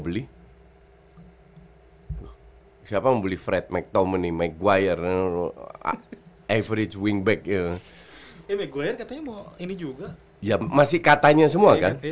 beli hai siapa membeli fred mccommoning maguire average wingback ya masih katanya semua kan